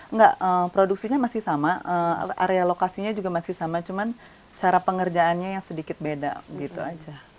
enggak produksinya masih sama area lokasinya juga masih sama cuma cara pengerjaannya yang sedikit beda gitu aja